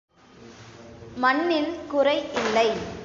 மண்ணில் குறை இல்லை!